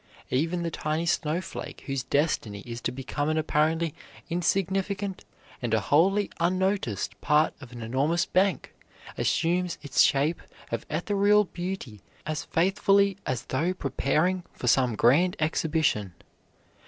Even the tiny snowflake whose destiny is to become an apparently insignificant and a wholly unnoticed part of an enormous bank, assumes its shape of ethereal beauty as faithfully as though preparing for some grand exhibition.